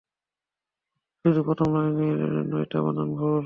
শুধু প্রথম লাইনেই নয়টা বানান ভুল।